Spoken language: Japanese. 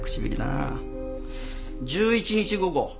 １１日午後。